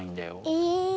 え。